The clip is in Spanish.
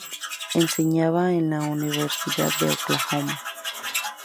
Enseñaba en la Universidad de Oklahoma.